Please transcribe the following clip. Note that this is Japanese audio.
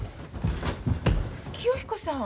清彦さん。